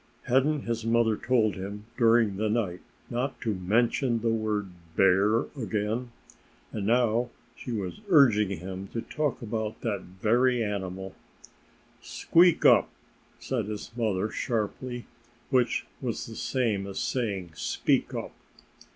Hadn't his mother told him, during the night, not to mention the word bear again? And now she was urging him to talk about that very animal. "Squeak up!" said his mother sharply which was the same as saying, "Speak up!"